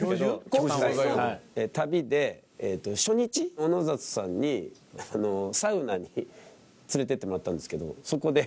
今回の旅で初日小野里さんにサウナに連れていってもらったんですけどそこで。